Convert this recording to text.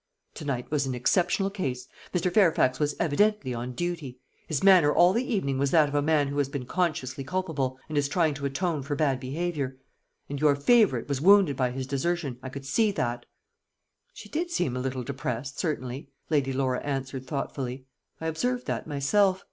"To night was an exceptional case. Mr. Fairfax was evidently on duty. His manner all the evening was that of a man who has been consciously culpable, and is trying to atone for bad behaviour. And your favourite was wounded by his desertion I could see that." "She did seem a little depressed, certainly," Lady Laura answered thoughtfully; "I observed that myself.